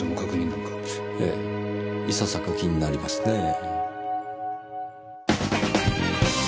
ええいささか気になりますねぇ。